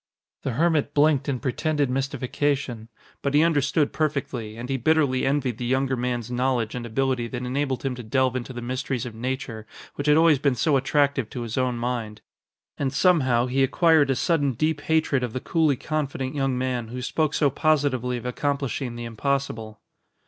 The hermit blinked in pretended mystification. But he understood perfectly, and he bitterly envied the younger man's knowledge and ability that enabled him to delve into the mysteries of nature which had always been so attractive to his own mind. And somehow, he acquired a sudden deep hatred of the coolly confident young man who spoke so positively of accomplishing the impossible.